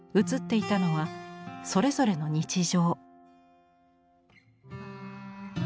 写っていたのはそれぞれの日常。